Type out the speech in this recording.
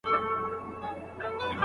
پلان جوړول د ژوند د موخو لپاره حتمي دی.